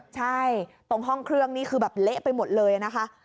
ใช่ตรงห้องเครื่องนี่คือแบบเละไปหมดเลยนะคะ